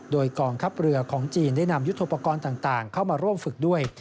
โดยกองทัพเรือของจีนได้นำยุทธโปรกรณ์ต่างเข้ามาร่วมฝึกด้วย